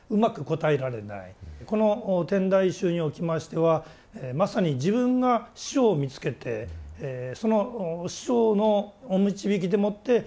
この天台宗におきましてはまさに自分が師匠を見つけてその師匠のお導きでもってお坊さんの道に入れる。